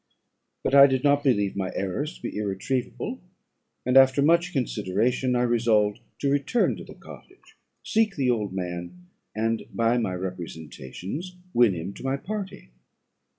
But I did not believe my errors to be irretrievable; and, after much consideration, I resolved to return to the cottage, seek the old man, and by my representations win him to my party.